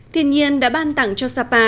tiền nhiên đã ban tặng cho sapa